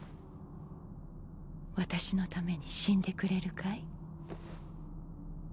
私のために死んでくれるかい？